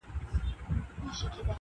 چي زوړ یار مي له اغیار سره خمسور سو-